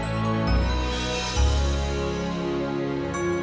untuk menghafal ingin memiliki hubungan